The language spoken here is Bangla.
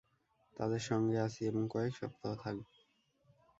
তাঁদের সঙ্গে আছি এবং কয়েক সপ্তাহ থাকব।